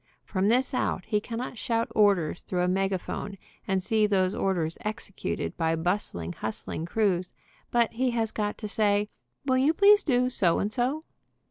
From this out he cannot shout orders through a megaphone, and see those orders executed by bustling, hustling crews, but he has got to say, "Will you please do so and so?"